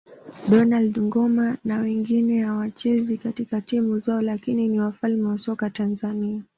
Donald Ngoma na wengine hawachezi katika timu zao lakini ni wafalme wa soka Tanzania